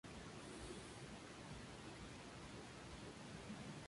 Entre los festejos más destacados de la región, destacan los de carácter taurino.